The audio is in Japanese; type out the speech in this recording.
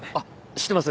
知ってます？